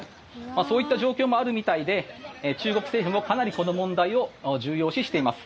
そういった状況もあるみたいで中国政府もかなりこの問題を重要視しています。